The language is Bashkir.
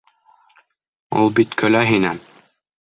Ул бит көлә һинән!